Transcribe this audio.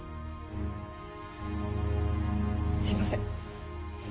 すいません。